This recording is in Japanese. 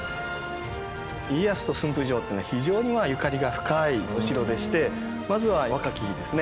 家康と駿府城というのは非常にゆかりが深いお城でしてまずは若き日ですね